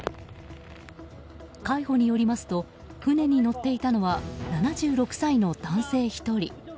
海保によりますと船に乗っていたのは７６歳の男性１人。